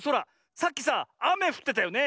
さっきさあめふってたよね。